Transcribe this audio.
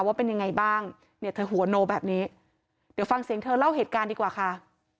ว่าเป็นยังไงบ้างเนี่ยเธอหัวโนแบบนี้เดี๋ยวฟังเสียงเธอเล่าเหตุการณ์ดีกว่าค่ะ